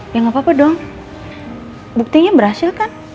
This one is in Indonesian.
ya gapapa dong buktinya berhasil kan